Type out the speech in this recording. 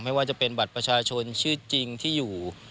ไม่ว่าจะเป็นบัตรประชาชนชื่อจริงที่อยู่